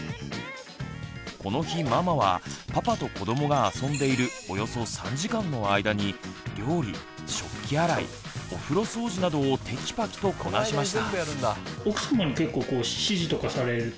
この日ママはパパと子どもが遊んでいるおよそ３時間の間に料理食器洗いお風呂掃除などをテキパキとこなしました。